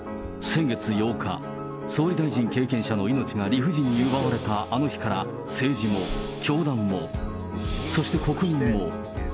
先月８日、総理大臣経験者の命が理不尽に奪われたあの日から、政治も、教団も、そして国民も。